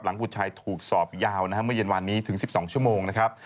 บุตรชายถูกสอบยาวนะฮะเมื่อเย็นวานนี้ถึง๑๒ชั่วโมงนะครับ